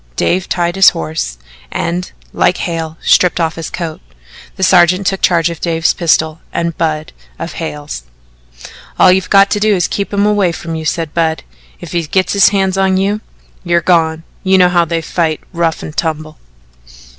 Dave tied his horse and, like Hale, stripped off his coat. The sergeant took charge of Dave's pistol and Budd of Hale's. "All you've got to do is to keep him away from you," said Budd. "If he gets his hands on you you're gone. You know how they fight rough and tumble."